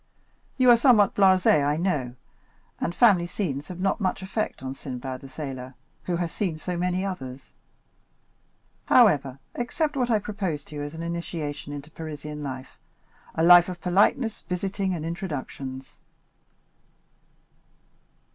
You are somewhat blasé I know, and family scenes have not much effect on Sinbad the Sailor, who has seen so many others. However, accept what I propose to you as an initiation into Parisian life—a life of politeness, visiting, and introductions."